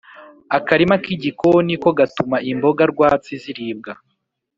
akarima k’igikoni ko gatuma imboga rwatsi ziribwa.